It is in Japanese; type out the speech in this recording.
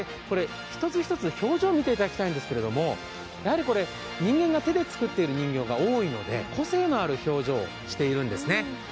１つ１つ表情見ていただきたいんですけど、人間が手で作っている人形が多いので、個性のある表情をしているんですね。